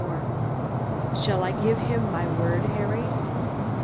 XXIV "SHALL I GIVE HIM MY WORD, HARRY?"